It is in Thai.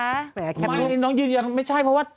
แต่แคปรุ๊บนอกยืนอย่างไม่ใช่เพราะว่า